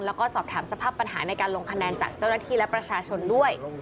แล้วก็สอบถามสภาพปัญหาในการลงคะแนนจากเจ้าหน้าที่และประชาชนด้วย